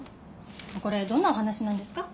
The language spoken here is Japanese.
これどんなお話なんですか？